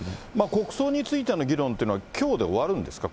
国葬についての議論というのはきょうで終わるんですか？